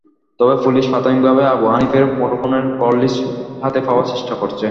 তবে পুলিশ প্রাথমিকভাবে আবু হানিফের মুঠোফোনের কললিস্ট হাতে পাওয়ার চেষ্টা করছে।